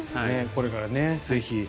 これからぜひ。